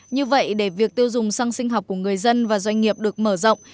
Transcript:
như vậy để việc tiêu dùng xăng sinh học của người dân và doanh nghiệp được mở rộng